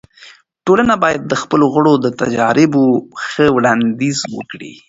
ټولنه باید د خپلو غړو د تجاريبو ښه وړاندیز وکړي.